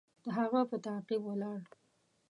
د هغه په تعقیب ولاړ.